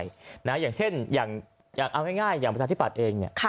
อย่างเช่นอย่างเอาง่ายอย่างประชาธิปัตย์เองเนี่ย